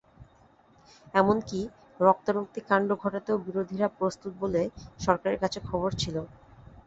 এমনকি রক্তারক্তি কাণ্ড ঘটাতেও বিরোধীরা প্রস্তুত বলে সরকারের কাছে খবর ছিল।